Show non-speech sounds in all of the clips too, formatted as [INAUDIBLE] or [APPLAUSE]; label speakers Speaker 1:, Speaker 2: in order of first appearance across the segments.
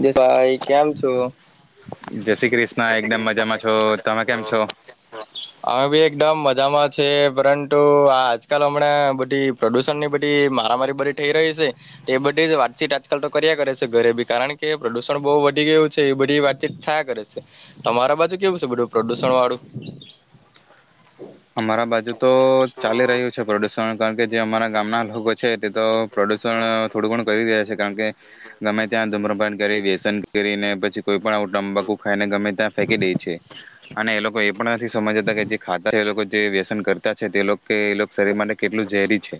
Speaker 1: જય ભાઈ કેમ છો
Speaker 2: જય શ્રી ક્રિષ્ના એકદમ મજામાં છો તમે કેમ છો?
Speaker 1: અમે બી એકદમ મજામાં છે પરંતુ આ આજકાલ હમણાં બધી પ્રદુષણ ની બધી મારામારી બધી થઈ રહી છે, એ બધી જ વાતચીત આજકાલ તો કર્યા કરે છે ઘરે ભી. કારણ કે પ્રદુષણ બહુ વધી ગયું છે એ બધી વાતચીત થયા કરે છે. તમારા બાજુ કેવું છે બધું પ્રદુષણ વાળું?
Speaker 2: અમારા બાજુ તો ચાલી રહ્યું છે પ્રદુષણ. કારણ કે જે અમારા ગામના લોકો છે તે તો પ્રદુષણ થોડું ઘણ કરી રહ્યા છે કારણ કે ગમે ત્યાં ધૂમ્રપાન કરી વ્યસન કરીને પછી કોઈ પણ આવું તંબાકુ ખાઈને ગમે ત્યાં ફેંકી દે છે અને એ લોકો એ પણ નથી સમજતા કે જે ખા એ લોકો જે વ્યસન કરતા છે તે લોકો એ શરીર માટે કેટલું ઝેરી છે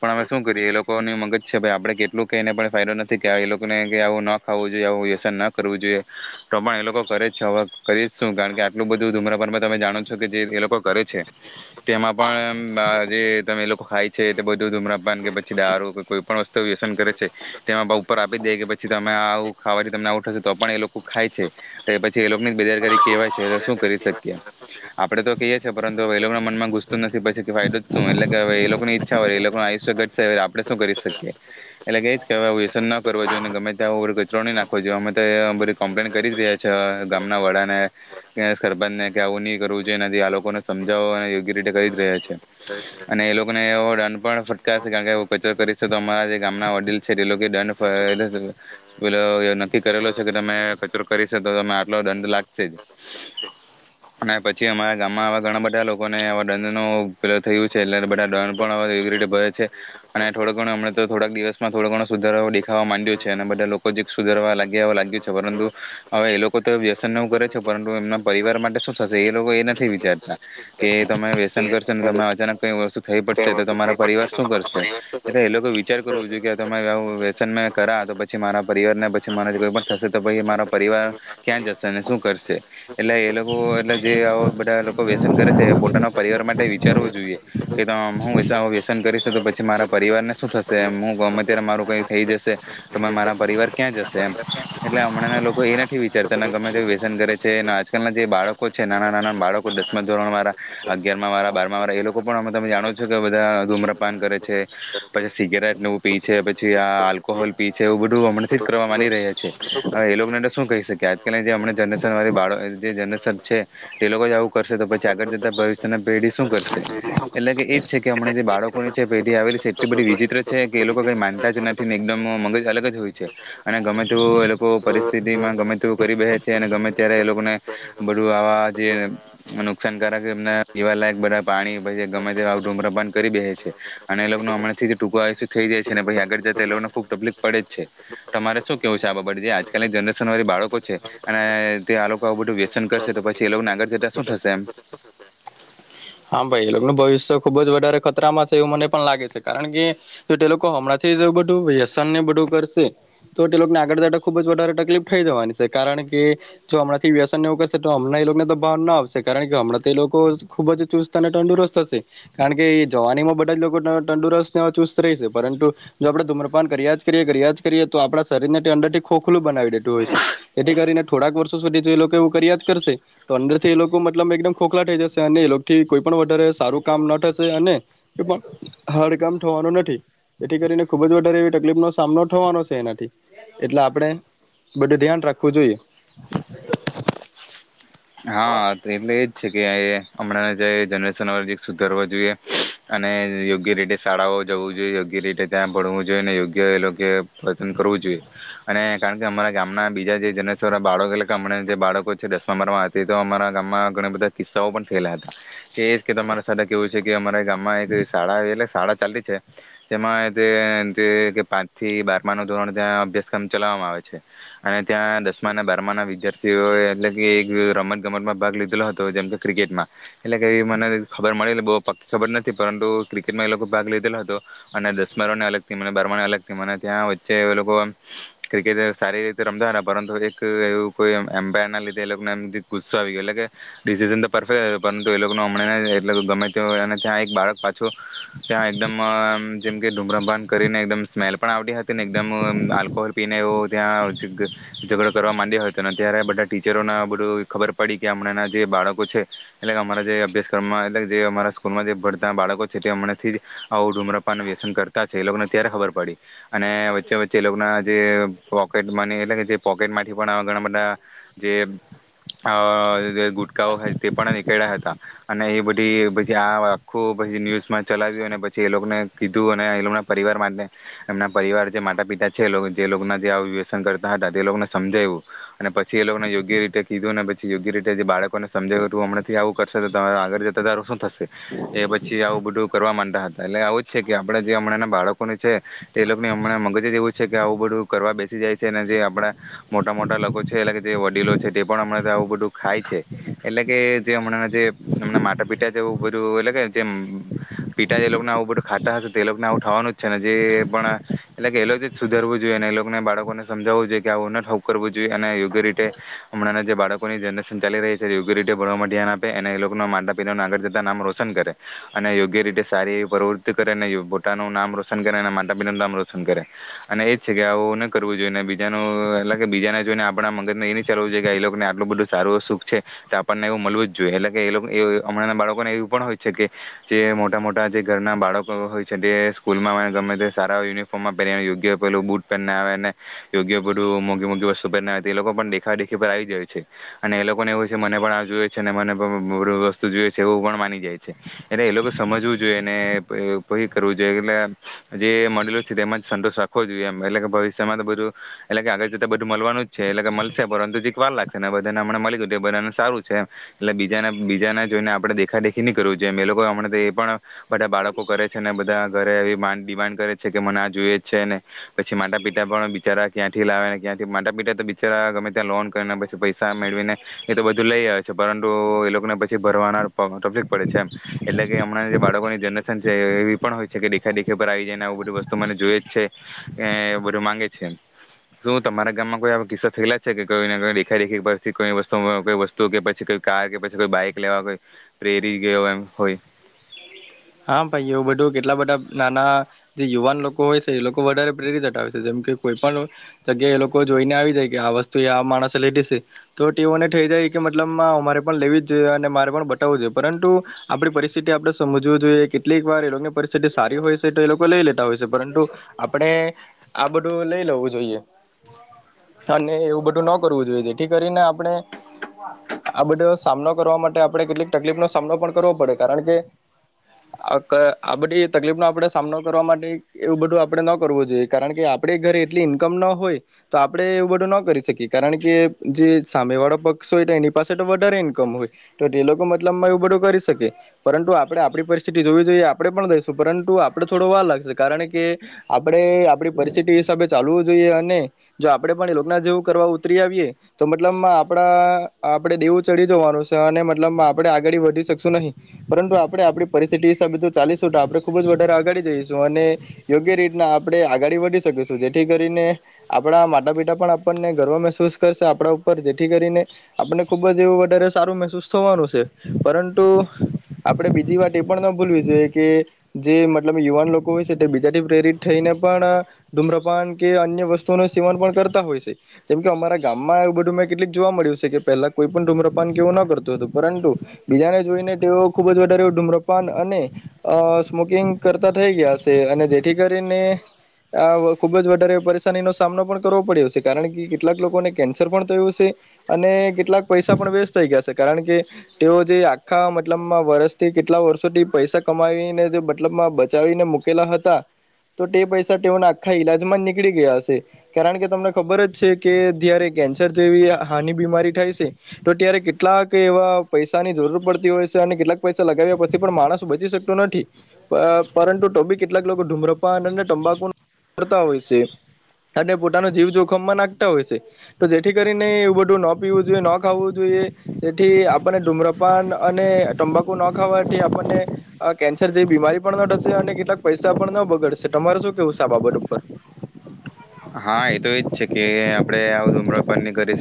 Speaker 2: પણ અમે શું કરીએ એ લોકોની મગજ છે આપણે કેટલું કે એને પણ ફાયદો નથી કે એ લોકોને કે આવું ન ખાવું જોઈએ આવું વ્યસન ના કરવું જોઈએ તો પણ એ લોકો કરે જ હવે કરી શું કારણ કે આટલું બધું ધૂમ્રપાન તમે જાણો છો કે એ લોકો લોકો કરે છે. તેમાં પણ જે તમે એ લોકો ખાય છે તે બધું ધુમ્રપાન કે પછી દારૂ કે કોઈ પણ વસ્તુ વ્યસન કરે છે, તેમાં ઉપર આપી જ દે કે પછી તમે આવું ખાવાથી તમને આવુ થશે, તો પણ એ લોકો ખાય છે. તો પછી એ લોકો ની બેદરકારી કેહેવાય છે શું કરી શકીએ આપડે તો કહીએ છીએ પરંતું હવે એ લોકો મનમાં ઘૂસતું નથી પછી કે ફાયદો જ શું એટલે કે હવે એ લોકો ની ઈચ્છા હોય એ લોકોનું આયુષ્ય ઘટશે આપણે શું કરી શકીએ એટલે કે કે હવે વ્યસન ન કરવો જોઈએ ને ગમે ત્યાં કચરો નહી નાખવો જોઈએ અમે તો બધી કોમ્પલેન કરી જ રહ્યા છ છેએ ગામના વડાને સરપંચને કે આવું ની કરવું જોઈએ ને તે આ લોકોને સમજાવવા યોગ્ય રીતે કરી જ રહ્યા છે, અને એ લોકોને એવો દંડ પણ ફટકાશે કારણ કે કચરો કરીશ તો અમારા જે ગામના વડીલ છે તે લોકો દંડ પેલો નક્કી કરેલો છે કે તમે કચરો કરીશ તો તમેં આટલો દંડ લાગશે જ અને પછી અમારા ગામમાં આવા ઘણા બધા લોકોને આવા દંડનો પેલો થયું છે, એટલે બધા દંડ પણ [UNINTELLIGIBLE] ભરે છે અને થોડો ઘણો હમણે તો થોડાક દિવસમાં થોડો ઘણો સુધારો દેખાવા માંડ્યો છે અને બધા લોકો જ સુધારવા લાગ્યા એવું લાગ્યું છે. પરંતુ હવે એ લોકો તો વ્યસન ને એવું કરે છે, પરંતુ એમના પરિવાર માટે શું થશે એ લોકો એ ન [UNINTELLIGIBLE] વિચારતા કે તમારે [UNINTELLIGIBLE] કરનાર અચાનક કઈ વસ્તુ થઈ પડશે તો તમારા પરિવાર શું કરશે એટલે એ લોકો વિચાર કરવું જોઈએ કે તમે આવું વ્યસન મેં કરા તો પછી મારા પરિવારને પછી મારા કોઈ પણ થશે તો પછી મારા પરિવાર ક્યાં જશે અને શું કરશે એટલે એ લોકો એટલે જે બધા લોકો વ્યસન કરે છે પોતાના પરિવાર માટે વિચારવું જોઈએ કે હું વ્યસન આવું વ્યસન કરીશ તો પછી મારા પરિવારને શું થશે? હું ગમે ત્યારે મારું કઈ થઈ જશે તો મારા પરિવાર ક્યાં જશે એમ, એટલે હમણાંં લોકો એ નથી વિચારતા ગમે તેવુ વ્યસન કરે છે અને આજકાલના જે બાળકો છે નાના નાના બાળકો દસમાં ધોરણવાળા, અગિયારમાં વાળા, બારમાં વાળા એ લોકો પણ તમે જાણો છો કે બધા ધૂમ્રપાન કરે છે, પછી સિગરેટને એવું પી છે પછી આ આલ્કોહોલ પી છે એવું બધું હમણાંથી જ કરવા માંડી રહ્યા છે, હવે એ લોકોને શું કહી શકાય? આજકાલની જે હમણની જનરેશન [UNINTELLIGIBLE] જે જનરેશન છે એ લોકો જ આવું કરશે તો પછી આગળ જતા ભવિષ્યની પેઢી શું કરશે? એટલે કે એ જ છે કે હમણા જે બાળકોની છે પેઢી આવેલી છે એટલી બધી વિચિત્ર છે કે એ લોકો કઈ માનતા જ નથી ને એકદમ મગજ અલગ જ હોય છે અને ગમે તેવુ એ લોકો પરિસ્થિતિમાં ગમે તેવુ કરી બેસે છે અને ગમે ત્યારે એ લોકોને બધું આવા અ નુકસાનકારકના પીવાલાયક બધા પાણી પછી ગમે તેવા ધુમ્રપાન કરી બેહે છે અને એ લોકો હમણાંથી ટૂંકુ આયુષ્ય થઈ જાય છે ને પછી આગળ જતા એ લોકોને ખુબ તકલીફ પડે જ છે. તમારે શું કેવું છે આ બાબતે જે આજકાલની જનરેશનવાળી બાળકો છે અને તે આ લોકો આવું બધું વ્યસન કરશે તો પ તે લોકોને આગળ જતાં શું થશે એમ.
Speaker 1: હા ભાઈ એનું ભવિષ્ય ખુબ જ વધારે ખતરામાં છે એવું મને પણ લાગે છે. કારણ કે જો તે લોકો હમણાંથી જો બધું વ્યસનને બધું કરશે તો તે લોકોને આગળ જતા ખુબ જ વધારે તકલીફ થઈ જવાની સે. કારણ કે જો હમણાં થી વ્યસન ને એવું કરશે તો હમણાં એ લોકોને તો ભાન ના આવશે. કારણ કે હમણાં તો એ લોકો ખૂબ જ ચુસ્ત અને તંદુરસ્ત હશે, કારણ કે એ જવાનીમાં બધા જ લોકો ત તંદુરસ્તને ચુસ્ત રેહશે, પરંતુ જો આપણે ધૂમ્રપાન કરિયા જ કરીએ કરિયા જ કરીએ તો આપણા શરીરને અંદરથી ખૂબ ખલું બનાવી દેતું હોય છે જેથી કરીને થોડાક વર્ષો સુધી જો એ લોકો એવું કર્યા જ કરશે તો અંદર થી એ લોકો મતલબ એકદમ ખોખલા થઈ જશે અને એ લો થી કોઈ પણ વધારે સારું કામ ના થશે અને [UNINTELLIGIBLE] હાર્ડ કામ થવાનું નથી એથી કરીને ખુબ જ વધારે એવી તકલીફ નો સામનો થવાનો છે એનાથી એટલે આપણે બધું ધ્યાન રાખવું જોઈએ.
Speaker 2: હા એટલે એ જ છે. કે હમણાં જે [UNINTELLIGIBLE] સુધરવુ જોઈએ અને યોગ્ય રીતે શાળાઓ જવું જોઈએ યોગ્ય રીતે ત્યાં ભણવું જોઈએ અને યોગ્ય એ લોકો પતન કરવું જોઈએ અને કારણ કે અમારા ગામના બીજા જે જનરેશન બાળકો એટલે કે હમણાં જે બાળકો છે દસમા બારમાં તે તો અમારા ગામમાં ઘણા બધા કિસ્સાઓ પણ થયેલા હતા તે એજ કે તમારે સાથે કેવું છે કે અમારા ગામમાં એક શાળા એટલે શાળા ચાલી છે તેમાં તે તે કે પાંચ થી બારમા ના ધોરણ ત્યાં અભ્યાસક્રમ ચલાવવામાં આવે છે અને ત્યાં દસમા બારમા ના વિદ્યાર્થીઓ એટલે કે એક રમત ગમતમાં ભાગ લીધેલો હતો જેમ કે ક્રિકેટમાં એટલે કે એવી મને ખબર મળેલી બો પક્કી ખબર નથી પરંતુ ક્રિકેટમાં એ લોકો ભાગ લીધેલો હતો અને દસમા નોને અલગ ટીમ મને બારમાંને અલગ ટીમ અને ત્યાં વચ્ચે એ લોકો ક્રિકેટ સારી રીતે રમતા હતા પરંતુ એક એવું કોઈ એમ્પાયર ના લીધે એ લોકોને એમ ગુસ્સો આવી ગયો એટલે કે ડિસિઝન તો પરફેક્ટ પરંતુ એ લોકોને હમણાંને [UNINTELLIGIBLE] અને ત્યાં એક બાળક પાછું ત્યાં એકદમ જેમ કે ધૂમ્રપાન કરીને એકદમ સ્મેલ પણ આવડી હતી ને એકદમ આલ્કોહોલ પીને એવો ત્યાં ઝઘડો કરવા માંડ્યો હતો અને ત્યારે બધા ટીચરોને બધું ખબર પડી કે હમણાંના જે બાળકો છે એટલે અમારા જે અભ્યાસક્રમમાં એટલે જે અમારા સ્કૂલમાં જે ભણતા બાળકો છે તે હમણાંથી જ આવું ધૂમ્રપાન વ્યસન કરતા છે એ લોકોને ત્યારે ખબર પડી અને વચ્ચે વચ્ચે એ લોકોના જે પોકેટમાની એટલે કે જે પોકેટમાંથી પણવા ઘણા બધા જે અ જે ગુટકાઓ ખાય તે પણ નિકયડા હતા અને એ બધી પછી આ આખું પછી ન્યૂઝમાં ચલાવ્યું અને પછી એ લોકોને કીધું અને એના એ લોકોના પરિવાર માટે એમના પરિવાર જે માતા પિતા છે એ જે લોકોના જે વ્યસન કરતા હતા તે લોકોને સમજાયવું અને પછી એ લોકોને યોગ્ય રીતે કીધું ને પછી યોગ્ય રીતે જે બાળકોને સમજાયવુ તું હમણાંથી આવું કરશો તો તમારૂ આગળ જતા તારું શું થશે એ પછી આવું બધું કરવા માગતા હતા એટલે આવું જ છે કે આપડે જે હમણાં બાળકોને છે તે એ લોકોને હમણાં મગજ જ એવું છે કે આવું બધું કરવા બેસી જાય છે અને જે આપડા મોટા મોટા લોકો છે એટલે કે જે વડીલો છે તે પણ હમણાં આવું બધું ખાય છે. એટલે કે જે હમણાં જે હમણા માતા પિતા છે બધું એટલે કે જે પિતા જે લોકોને આવું બધું ખાતા હશે તે લોકોને આવું થાવાનું જ છે ને જે પણ એટલે કે એ લોકો સુધરવું જોઈએ એને એ લોકોએ બાળકોને સમજાવવું જોઈએ કે [UNINTELLIGIBLE] કરવું જોઈએ અને યોગ્ય રીતે હમણાં જે બાળકોની જનરેશન ચાલી રહી છે યોગ્ય રીતે ભણવામાં ધ્યાન આપે અને એ લોકોના માતા પિતાનું આગળ જતાં નામ રોશન કરે અને યોગ્ય રીતે સારી એવી પ્રવૃત્તિ કરે અને પોતાનું નામ રોશન કરે અને માતા પિતાનું નામ રોશન કર અને એજ છે કે આવું ન કરવું જોઈએને બીજાનું એટલે કે બીજાને જોઈને આપણા મગજને એની ચાલવું જોઈએ કે એ લોકોને આટલું બધું સારું સુખ છે તો આપણને એવું મલવું જ જોઈએ એટલે કે એ અમણાં બાળકોને એવું પણ હોય છે કે જે મોટા મોટા જે ઘરના બાળકો હોય છે તે સ્કૂલ માં ગમે તે સારા યુનિફોર્મમાં પહેરી યોગ્ય પેલું બુટ પહેરના આવે ને યોગ્ય બધું મોઘી મોઘી વસ્તુ પહેર આવે એ લોકો પણ દેખાદેખી પર આવી જાય છે. અને એ લોકો ને એવું છે મને પણ આ જોયે છે અને મને [UNINTELLIGIBLE] વસ્તુ જોઈએ છે એવું પણ માની જાય છે અને એ લોકો સમજવું જોઈએ ને પહિ કરવું જોઈએ. એટલે જે મળેલુ છે તેમાં જ સંતોષ રાખવો જોઈએ એમ એટલે કે ભવિષ્યમાં તો બધું એટલે કે આગળ જતા બધું મલવાનું જ છે એટલે છે પરંતુ જીક વાર લાગહે ને બધાને અમણે મલી ગયું તે બધાં ને સારું છે એટલે બીજાને બીજાને જોઈને આપણે દેખા દેખી ની કરવું જોએ એ લોકો એ અમણા તો એ પણ બધા બાળકો કરે છે ને બધા ઘરે એવી માંડ ડિમાન્ડ કરે છે કે મને આ જોઈએ જ છે ને પછી માાતા પિતા પણ બિચારા ક્યાંથી લાવે ને ક્યાંથી માતા પિતા તો બિચારા ગમે ત્યા લોન કરીને પછી પૈસા મેળવીને એ તો બધું લઈ આવે છે પરંતુ એ લોકોને પછી ભરવાનાર તકલીફ પડે છે એમ, એટલે કે હમણાં જે બાળકોની જનરેશન છે એવી પણ હોય છે કે દેખા દેખી ઉપર આવી જાય ને આવું બધું વસ્તુ મને જોય જ છે કે બધું માંગે છે, શું તમારા ગામમાં કોઈ આવા કિસ્સા થયેલા છે કે કોઈ [UNINTELLIGIBLE] દેખા દેખી પરથી કોઈ વસ્તુ [UNINTELLIGIBLE] કોઈ વસ્તુ, કે પછી કોઈ કાર, કે પછી કોઈ બાઈક લેવા કોઈ પ્રેરી ગયો એમ હોય?
Speaker 1: હા ભાઈ એવું બધું કેટલા બધા નાના જે યુવાન લોકો હોય છે એ લોકો વધારે પ્રેરિત હટાવે છે, જેમ કે કોઈ પણ જગ્યાએ એ લોકો જોઈને આવી જાય કે આ વસ્તુ આ માણસે લીધી સે તો તેઓને થઈ જાય કે મતલબમાં અમારે પણ લેવી જ જોઈએ અને મારે પણ બતાવવું જોઈએ પરંતુ આપણી પરિસ્થિતિ આપણેે સમજ [UNINTELLIGIBLE] જોઈએ કેટલીક વાર એલોકોની પરિસ્થિતિ સારી હોય સે તો એ લોકો લઈ લેતા હોય સે પરંતુ આપણે આ બધું લઈ લેવું જોઈએ અને એવું બધું ન કરવું જોઈએ જેથી કરીને આપણે આ બધો સામનો કરવા માટે આપણે કેટલીક તકલીફ નો સામનો પણ કરવો પડે કારણ કે આ ક આ બધી તકલીફ નો આપણે સામનો કરવા માટે એવું બધું આપડે ન કરવું જોઈએ કારણ કે આપડે ઘરે એટલી ઈન્કમ ન હોય તો આપણે એવું બધું ન કરી શકીએ કારણ કે જે સામે વાળો પક્ષ હોય તો એની પાસે તો વધારે ઈન્કમ હોય તો તે લોકો મતલબમાં એવું બધું કરી શકે પરંતુ આપણે આપણી પરિસ્થિતિ જોવી જોઈએ આપણે પણ દઈશું પરંતુ આપણે થોડો વાર લાગશે કારણ કે, આપડે આપણી પરિસ્થિતિ હિસાબે ચાલવું જોઈએ અને જો આપણેે પણ એ લોકો ના જેવું કરવા ઉતરી આવીએ તો મતલબ આપણા આપણે દેવું ચડી જવાનું સે અને મતલબ આપણે આંગાળી વધી શકશું નહીં પરંતુ આપણે આપણી પરિસ્થિતિ હિસાબે જો ચાલીશું તો આપણે ખુબ જ વધારે અગાડી જઈશું અને યોગ્ય રીતના આપણે આગાડી વધી શકીશું જેથી કરીને આપણા માટા પિતા પણ આપણને ગર્વ મહેસૂસ કરશે આપણા ઉપર જેથી કરીને આપણને ખુબ જ એવું વધારે સારું મહેસૂસ થવાનું સે પરંતુ આપણે બીજી વાત એ પણ ન ભૂલવી જોઈએ કે જે મતલબ યુવાન લોકો હોય છે તે બીજાથી પ્રેરિત થઈને પણ ધૂમ્રપાન કે અન્ય વસ્તુઓનું સેવન પણ કરતા હોય છે, જેમ કે અમારા ગામમાં એવું બધું મેં કેટલીક જોવા મળ્યું સે કે પેલા કોઈ પણ ધૂમ્રપાન કેવું ન કરતું હતું પરંતુ બીજાને જોઈને તેઓ ખૂબ જ વધારે ધૂમ્રપાન અને અ સ્મોકિંગ કરતા થઈ ગયા સે અને જેથી કરીને આ ખૂબ જ વધારે પરેશાની નો સામનો પણ કરવો પડ્યો છે કારણ કે કેટલાક લોકોને કેન્સર પણ થયું સે અને કેટલાક પૈસા પણ વેસ્ટ થઈ ગયા સે કારણ કે તેઓ જે આખા મતલબ માં વર્ષથી કેટલા વર્ષોથી પૈસા કમાવીને જે મતલબમાં બચાવીને મુકેલા હતા તો તે પૈસા તેઓના આખા ઈલાજ માં નીકળી ગયા હશે, કારણ કે તમને ખબર જ છે કે જયારે કેન્સર જેવી હાની બીમારી થાય સે તો ત્યારે કેટલાક એવા પૈસાની જરૂર પડતી હોય સે અને કેટલાક પૈસા લગાવ્યા પસી પણ માણસ બચી શકતો નથી પરંતુ ટોબી કેટલાક લોકો ધૂમ્રપાન અને તંબાકુ કરતા હોય સે અને પોતાનો જીવ જોખમમાં નાખતા હોય સે તો જેથી કરીને એ બધું ન પીવું જોઈએ ન ખું જોઈએ તેથી આપને ધૂમ્રપાન ને તંબાકુ ન ખાવાથી આપણને કેન્સર જેવી બીમારી પણ ન થશે અને કેટલાક પૈસા પણ ન બગડશે તમારે શું કેવું સે આ બાબત ઉપર?
Speaker 2: હા એ તો એજ છે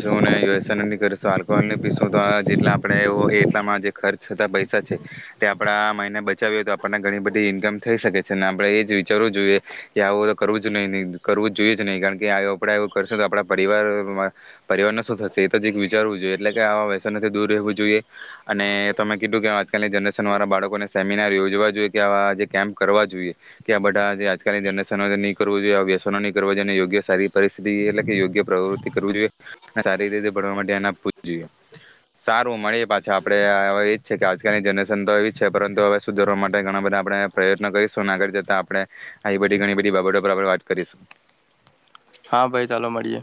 Speaker 2: જો ને યુએસન કરીશું આલ્કોહોલ ની પીસું તો જેટલા આપણે એટલામાં જે ખર્ચ થતા પૈસા છે તે આપડા આ મહિને બચાવએ તો આપણને ઘણી બધી ઈન્કમ થઈ શકે છે અને આપણે એજ વિચારવું જોઈએ કે આવું તો કરવું જ નહી કરવું જ જોઈએ જ નહીં કારણ કે [UNINTELLIGIBLE] આપણે એવું કરશું તો આપડા પરિવાર પરિવારનો શું થશે એ તો જીક વિચારવું જોઈએ એટલે કે આ વ્યસથી દૂર રહેવું જોઈએ. અને એ તમે કીધું કે આજકાલની જનરે શન વાળા બાળકોને સેમિનાર યોજવા જોઈએ કે આવા જે કેમ્પ કરવા જોઈએ કે આ બધા જે આજકાલની જનરેશન નહીં કરવું જોઈએ વ્યસનો ની કરવા જોઈએ ને યોગ્ય સારી પરિસ્થિતિ એટલે કે યોગ્ય પ્રવૃતિ કરવી જોઈએ અને સારી રીતે ભણવા મા ધ્યાન આપવુ જ જોઈએ. સારું મળીએ પાછા આપડે એ જ છે કે આજકાલની જનરેશન તો એ જ છે પરંતુ હવે સુધારવા માટે ઘણા બધા આપણે પ્રયત્ન કરીશું આગળ જતા આપણે આવી બધી ઘણી બધી બાબતો આપડે પર વાત કરીશું.
Speaker 1: હા ભાઈ ચાલો મળીએ.